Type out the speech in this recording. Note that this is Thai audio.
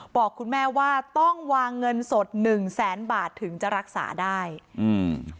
บอกคุณแม่ว่าต้องวางเงินสดหนึ่งแสนบาทถึงจะรักษาได้อืม